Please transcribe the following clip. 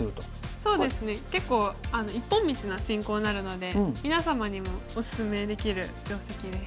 そうですね結構一本道な進行になるので皆様にもおすすめできる定石です。